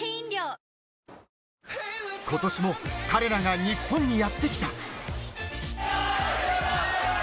ことしも彼らが日本にやってきた。